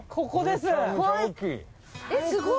すごい。